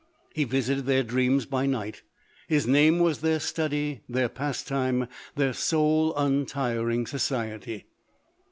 He visited their dreams by night, his name was their study, their pastime, their sole untiring society.